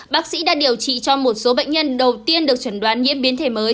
bác sĩ đã điều trị cho một số bệnh nhân đầu tiên được chuẩn đoán nhiễm biến thể mới